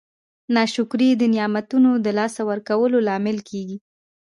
ناشکري د نعمتونو د لاسه ورکولو لامل کیږي.